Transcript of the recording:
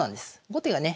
後手がね